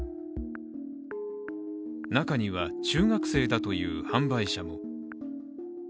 中には中学生だという販売者も。